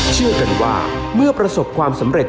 เชื่อกันว่าเมื่อประสบความสำเร็จ